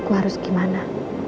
aku harus gimana